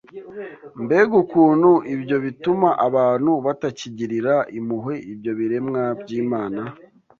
Mbega ukuntu ibyo bituma abantu batakigirira impuhwe ibyo biremwa by’Imana!